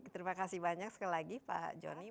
terima kasih banyak sekali lagi pak joni